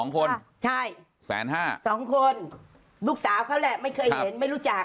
คนใช่แสนห้าสองคนลูกสาวเขาแหละไม่เคยเห็นไม่รู้จัก